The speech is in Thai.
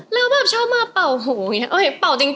แล้วแบบชอบมาเป่าหูอย่างนี้เป่าจริง